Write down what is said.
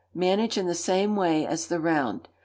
Manage in the same way as the round.